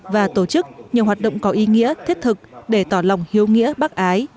và tổ chức nhiều hoạt động có ý nghĩa thiết thực để tỏ lòng hiếu nghĩa bác ái